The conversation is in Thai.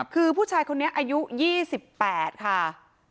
คือผู้ชายคนนี้อายุ๒๘ค่ะ